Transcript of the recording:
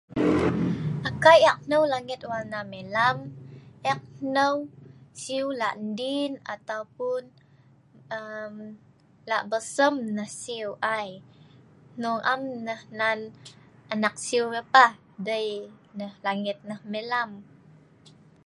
Kai eek nnal langet lwarna melam. Eek nnau sieu lak ndien, ataupun um la’ belsem nah sieu ai. Nnoung am nah nan anak sieu ai pah dei nah langet ai melam